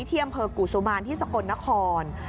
ที่อำเภอกุศุมานที่สกลนคร